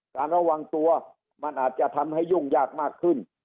ระวังตัวมันอาจจะทำให้ยุ่งยากมากขึ้น